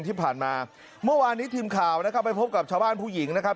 ที่ผ่านมาเมื่อวานนี้ทีมข่าวนะครับไปพบกับชาวบ้านผู้หญิงนะครับ